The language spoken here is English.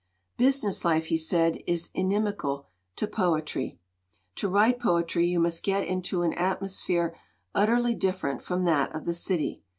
"Business life," he said, "is inimical to poetry. To write poetry you must get into an atmosphere utterly different from that of the city.